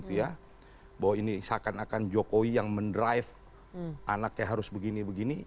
bahwa ini seakan akan jokowi yang mendrive anaknya harus begini begini